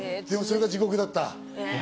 でもそれが地獄だった。